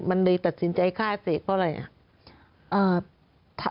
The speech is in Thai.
มันเลยตัดสินใจค่าเสกก็เลยอะ